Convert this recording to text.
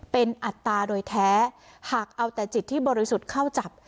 เป็นอัตราโดยแท้หากเอาแต่จิตที่บริสุทธิ์เข้าจับ